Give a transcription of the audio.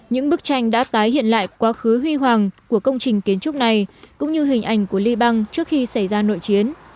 những bức tranh đã tái hiện lại quá khứ huy hoàng của công trình kiến trúc này cũng như hình ảnh của liban trước khi xảy ra nội chiến